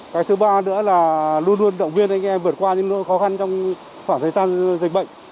cái thứ ba nữa là luôn luôn động viên anh em vượt qua những khó khăn trong khoảng thời gian dịch bệnh